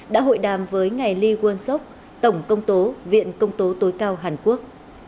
đã hội đàm với ngài lee won sốc tổng công tố viện công tố tối cao hàn quốc